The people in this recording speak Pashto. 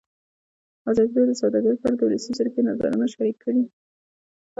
ازادي راډیو د سوداګري په اړه د ولسي جرګې نظرونه شریک کړي.